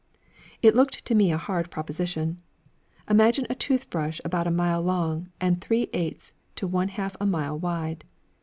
It looked to me a hard proposition. Imagine a tooth brush about a mile long and three eighths to one half a mile wide.